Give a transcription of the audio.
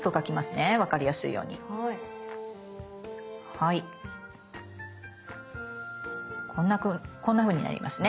はいこんなふうになりますね。